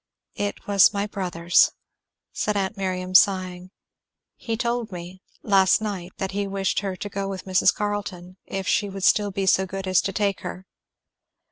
"It was my brother's," said aunt Miriam, sighing; "he told me last night that he wished her to go with Mrs. Carleton if she would still be so good as to take her."